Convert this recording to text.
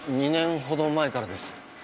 ２年ほど前からです。